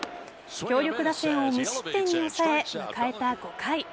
強力打線を無失点に抑え迎えた５回。